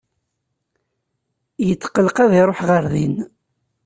Yetqelleq ad iruḥ ɣer din.